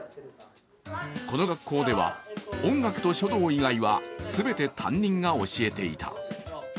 この学校では、音楽と書道以外は全て担任が教えていた。